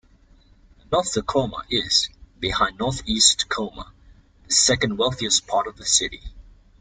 North Tacoma is, behind Northeast Tacoma, the second wealthiest part of the city.